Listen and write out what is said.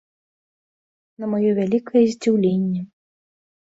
На маё вялікае здзіўленне.